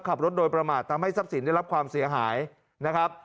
ขับรถโดยประมาททำให้ทรัพย์สินได้รับความเสียหายนะครับ